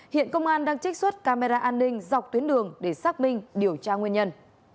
hiện công an đang trích xuất camera an ninh dọc tuyến đường để xác minh điều tra nguyên nhân